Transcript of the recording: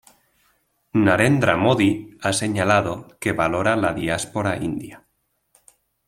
Narendra Modi ha señalado que valora la diáspora india.